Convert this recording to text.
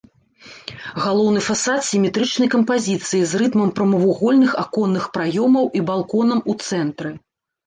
Галоўны фасад сіметрычнай кампазіцыі з рытмам прамавугольных аконных праёмаў і балконам у цэнтры.